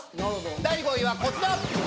第５位はこちら。